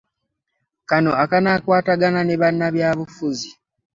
Kano akanaakwatagana ne bannabyabufuzi